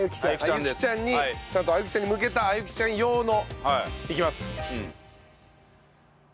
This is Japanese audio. あゆきちゃんにちゃんとあゆきちゃんに向けたあゆきちゃん用のいきます。